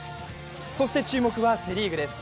そして注目はセ・リーグです。